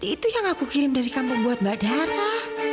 itu yang aku kirim dari kampung buat mbak dara